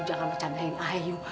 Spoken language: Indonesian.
jangan bercandain ay yu